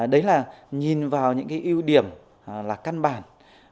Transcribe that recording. đấy là nhìn vào những cái ưu điểm là căn bản